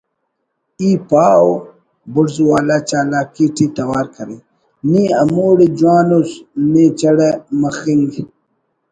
ای پاو (بڑز والا چالاکی ٹی توار کرے) نی ہموڑے جوان اُس نے چڑہ مخنگ